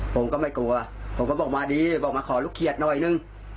ผมก็ไม่กลัวผมก็บอกมาดีบอกมาขอลูกเขียดหน่อยนึง